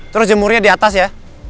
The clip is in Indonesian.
terus jemurnya di atas ya